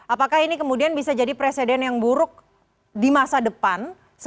apakah ini kemudian bisa jadi presiden yang buruk di masa depan